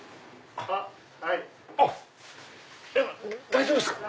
あっ大丈夫ですか？